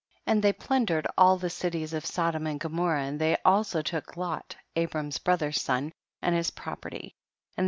6. And they plundered all the cities of Sodom and Gomorrah, and they also took Lot, Abram's brother's son, and his property, and they THE BOOK OF JASHER.